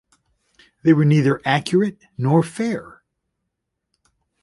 They were neither accurate, nor fair.